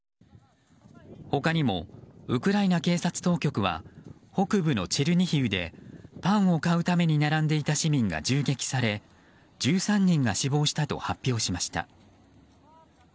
他にもウクライナ警察当局は北部のチェルニヒウでパンを買うために並んでいた市民が銃撃され１３人が死亡したと発表しました。